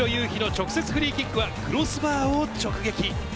陽の直接フリーキックはクロスバーを直撃。